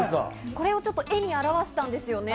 これを絵に表したんですよね。